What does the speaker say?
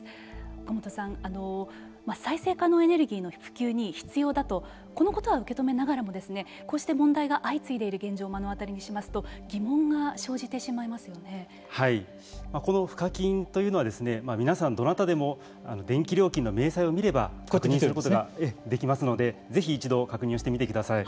岡本さん、再生可能エネルギーの普及に必要だとこのことは受け止めながらもこうして問題が相次いでいる現状を目の当たりにしますとこの賦課金というのは皆さん、どなたでも電気料金の明細を見れば確認することができますのでぜひ一度、確認をしてみてください。